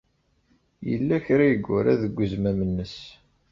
Yella kra ay yura deg uzmam-nnes.